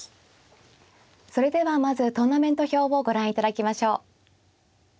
それではまずトーナメント表をご覧いただきましょう。